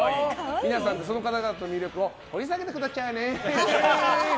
皆さんでその方々の魅力を掘り下げてくださいね。